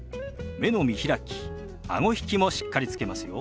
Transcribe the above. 目の見開きあご引きもしっかりつけますよ。